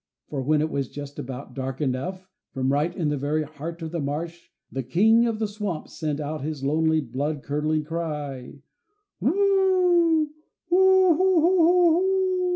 For when it was just about dark enough, from right in the very heart of the marsh the King of the swamp sent out his lonely, blood curdling cry: "Who ho ho, who ho ho ho ho ho."